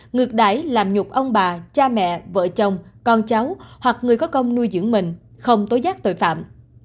ngược đải làm nhục ông bà cha mẹ vợ chồng con cháu hoặc người có công nuôi dưỡng mình không tố giác tội phạm